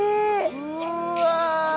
うわ！